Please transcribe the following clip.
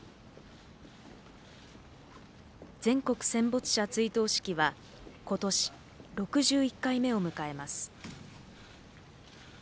全国戦没者追悼式は今年、６１回目を迎えます。